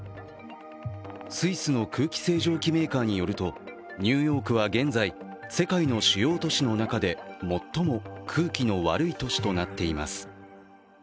スイスの空気清浄機メーカーによるとニューヨークは現在世界の主要都市の中で最も空気の悪い都市となっています。